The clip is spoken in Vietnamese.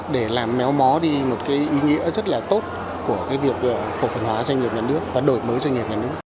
để làm méo mó đi một cái ý nghĩa rất là tốt của cái việc cổ phần hóa doanh nghiệp nhà nước và đổi mới doanh nghiệp nhà nước